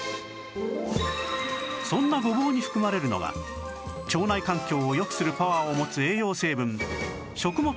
そんなごぼうに含まれるのが腸内環境を良くするパワーを持つ栄養成分食物